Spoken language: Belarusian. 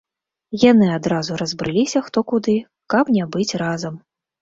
Яны адразу разбрыліся хто куды, каб не быць разам.